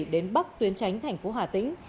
đến bóc tuyến tránh thành phố hà tĩnh